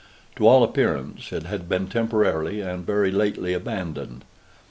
To all appearance it had been temporarily and very lately abandoned.